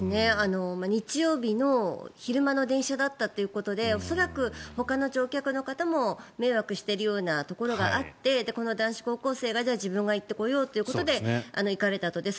日曜日の昼間の電車だったということで恐らく、ほかの乗客の方も迷惑しているようなところがあってこの男子高校生が自分が言ってこようということで行かれたと。